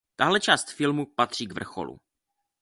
Tahle část filmu patří k vrcholu.